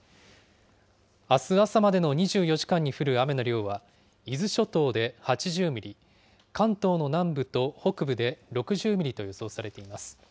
あす朝までの２４時間に降る雨の量は伊豆諸島で８０ミリ、関東の南部と北部で６０ミリと予想されています。